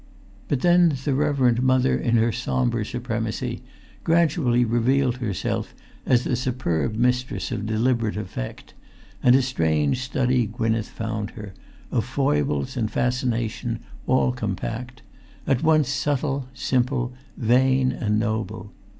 But then the Reverend Mother, in her sombre supremacy, gradually revealed herself as the superb mistress of deliberate effect; and a strange study Gwynneth found her; of foibles and fascination all compact; at once subtle, simple, vain, and noble.